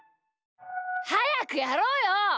はやくやろうよ！